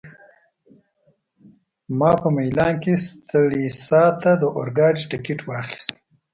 ما په میلان کي سټریسا ته د اورګاډي ټکټ واخیست.